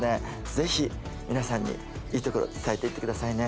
ぜひ皆さんにいいところ伝えていってくださいね